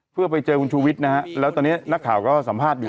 เพื่อไปเจอคุณชูวิทย์นะฮะแล้วตอนนี้นักข่าวก็สัมภาษณ์อยู่